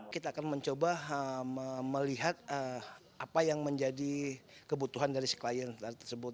kita akan mencoba melihat apa yang menjadi kebutuhan dari si klien tersebut